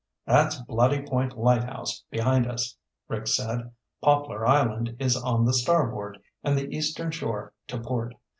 "That's Bloody Point Lighthouse behind us," Rick said. "Poplar Island is on the starboard and the Eastern Shore to port.